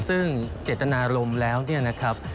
ซึ่งเจตนารมณ์แล้วเนี่ยนะครับ